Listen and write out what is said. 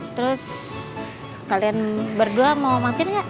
terus kalian berdua mau makan gak